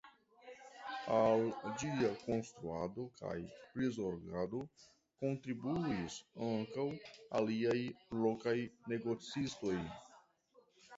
Al ĝia konstruado kaj prizorgado kontribuis ankaŭ aliaj lokaj negocistoj.